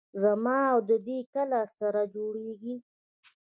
زما او د دې کله سره جوړېږي.